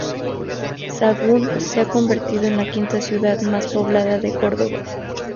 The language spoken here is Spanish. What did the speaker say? Sahagún se ha convertido en la quinta ciudad más poblada de Córdoba.